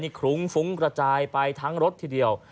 คลุ้งฟุ้งกระจายไปทั้งรถทีเดียว